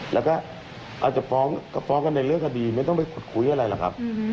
แล้วก็อาจจะฟ้องก็ฟ้องกันในเรื่องคดีไม่ต้องไปขุดคุยอะไรหรอกครับ